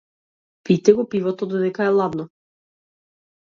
Пијте го пивото додека е ладно.